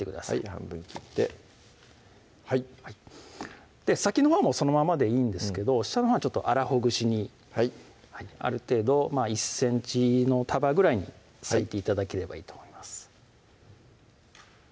半分に切ってはい先のほうはそのままでいいんですけど下のほうはちょっと粗ほぐしにはいある程度１ｃｍの束ぐらいに割いて頂ければいいと思います